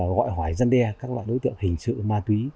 gọi hỏi dân đe các loại đối tượng hình sự ma túy